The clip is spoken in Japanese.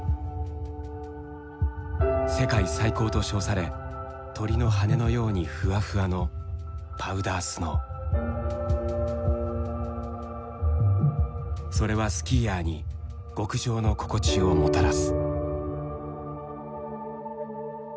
世界最高と称され鳥の羽のようにふわふわのそれはスキーヤーに極上の心地をもたらす。